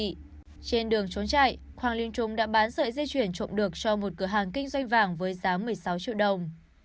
trên đường trốn chạy hoàng liên trung đã bán sợi dây chuyển trộm được cho một cửa hàng kinh doanh vàng với giá một mươi sáu triệu đồng